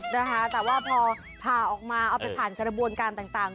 นะคะแต่ว่าพอผ่าออกมาเอาไปผ่านกระบวนการต่าง